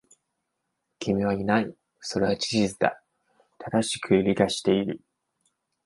君はいない。それは事実だ。正しく理解している。